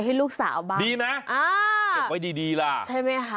ให้ลูกสาวบ้างดีไหมอ่าเก็บไว้ดีดีล่ะใช่ไหมคะ